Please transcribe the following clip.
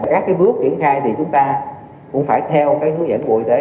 các cái bước triển khai thì chúng ta cũng phải theo cái hướng dẫn bộ y tế